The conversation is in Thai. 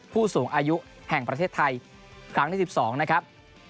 ผู้สูงอายุแห่งประเทศไทยครั้งที่๑๒นะครับ